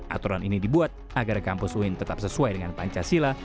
aturan ini dibuat agar kampus uin tetap sesuai dengan pancasila